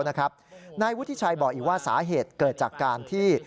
นายวุฒิชัยบอกอีกว่าสาเหตุเกิดจากการที่